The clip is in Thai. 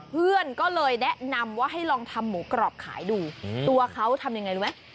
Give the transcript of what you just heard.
เพื่อนก็เลยแนะนำว่าให้ลองทำหมูกรอบขายดูตัวเขาทำยังไงรู้ไหม